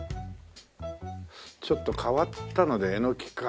ちょっと変わったのでエノキか。